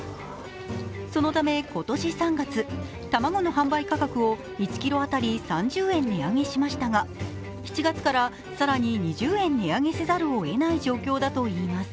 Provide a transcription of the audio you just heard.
そのため、今年３月、卵の販売価格を１ｋｇあたり３０円値上げしましたが７月から更に２０円値上げせざるをえない状況だといいます。